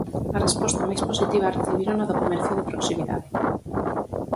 A resposta máis positiva recibírona do comercio de proximidade.